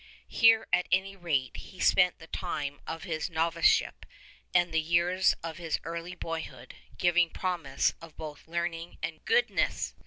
Here at any rate he spent the time of his noviceship and the years of his early boyhood, giving promise of both learn ing and goodness.